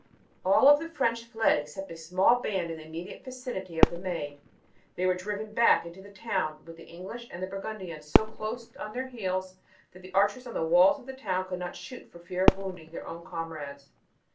All of the French fled except a small band in the immediate vicinity of the Maid. They were driven back into the town with the English and Burgundians so close on their heels that the archers on the walls of the town could not shoot for fear of wounding their own comrades.